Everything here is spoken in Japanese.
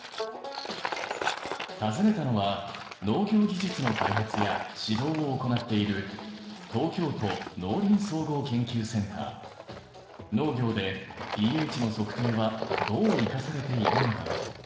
訪ねたのは農業技術の開発や指導を行っている農業でｐＨの測定はどう生かされているのだろう？